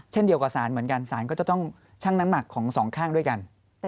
เช่นเดียวกับสารเหมือนกันสารก็จะต้องชั่งน้ำหนักของสองข้างด้วยกัน